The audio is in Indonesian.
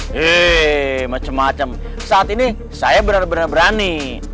heee macem macem saat ini saya bener bener berani